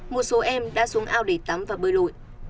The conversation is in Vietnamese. một số em đã xuống ao để tắm và bơi lội